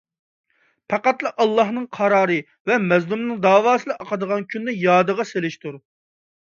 پەقەتلا ئاللاھنىڭ قارارى ۋە مەزلۇمنىڭ دەۋاسىلا ئاقىدىغان كۈننى يادىغا سېلىشتۇر.